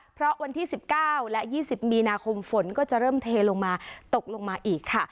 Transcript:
เพราะวันที่๑๙และ๒๐มีนาคมฝนก็จะเริ่มเทลงมาตกลงมาอีกค่ะ